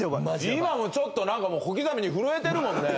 今もちょっとなんか小刻みに震えてるもんね。